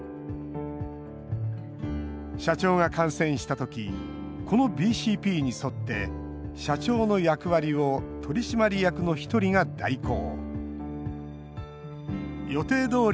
社長が感染した時このＢＣＰに沿って社長の役割を取締役の１人が代行。